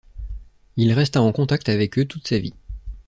Il resta en contact avec eux toute sa vie.